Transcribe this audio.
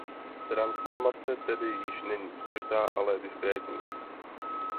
Transformace tedy již není spojitá ale diskrétní.